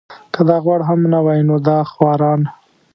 که دا غوړ هم نه وای نو دا خواران.